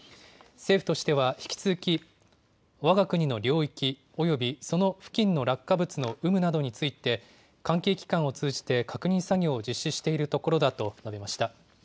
政府としては引き続き、わが国の領域およびその付近の落下物の有無などについて、関係機関を通じて確認作業を実施しているところだと述べました。